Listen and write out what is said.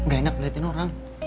gak enak liatin orang